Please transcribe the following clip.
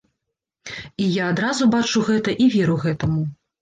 І я адразу бачу гэта і веру гэтаму.